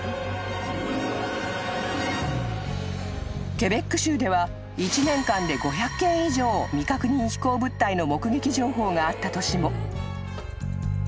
［ケベック州では１年間で５００件以上未確認飛行物体の目撃情報があった年も］